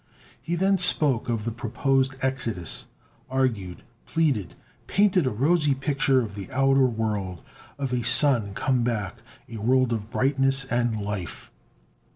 He then spoke of the proposed Exodus, argued, pleaded, painted a rosy picture of the outer world, of a Sun come back, a world of brightness and life.